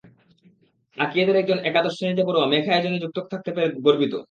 আঁকিয়েদের একজন একাদশ শ্রেণিতে পড়ুয়া মেঘ আয়োজনে যুক্ত থাকতে পেরে গর্বিত।